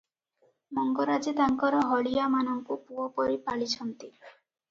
ମଙ୍ଗରାଜେ ତାଙ୍କର ହଳିଆ ମାନଙ୍କୁ ପୁଅ ପରି ପାଳିଛନ୍ତି ।